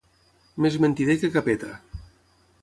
Més mentider que Capeta.